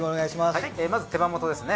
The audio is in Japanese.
はいまず手羽元ですね。